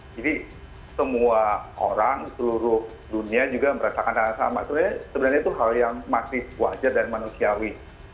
jadi semua orang seluruh dunia juga merasakan hal yang sama sebenarnya itu hal yang masih wajar dan manusiawi